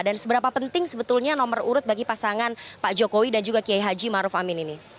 dan seberapa penting sebetulnya nomor urut bagi pasangan pak jokowi dan juga kiai haji maruf amin ini